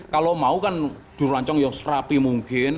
kalau mau kan durancong yang serapi mungkin